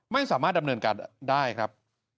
ไม่สามารถดำเนินการได้ครับ